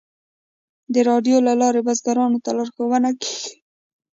د راډیو له لارې بزګرانو ته لارښوونه کیږي.